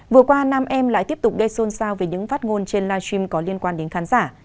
vừa qua nam em lại tiếp tục gây xôn xao về những phát ngôn trên live stream có liên quan đến khán giả